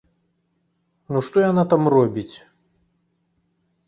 Ну што яна там робіць?